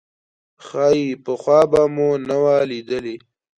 ښايي پخوا به مو نه وه لیدلې.